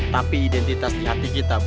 tapi identitas di hati kita